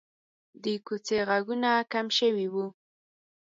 د کوڅې غږونه کم شوي وو.